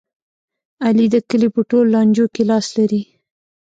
علي د کلي په ټول لانجو کې لاس لري.